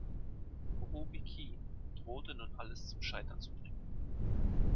Ruby Keene drohte nun alles zum Scheitern zu bringen.